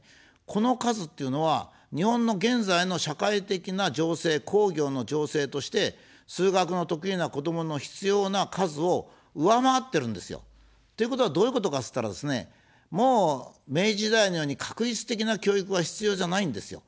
この数っていうのは日本の現在の社会的な情勢、工業の情勢として、数学の得意な子どもの必要な数を上回ってるんですよ。ということは、どういうことかっつったらですね、もう明治時代のように画一的な教育は必要じゃないんですよ。